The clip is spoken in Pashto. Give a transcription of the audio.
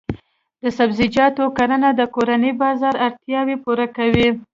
د سبزیجاتو کرنه د کورني بازار اړتیا پوره کوي.